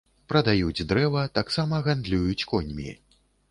Прадаюць дрэва, таксама гандлююць коньмі.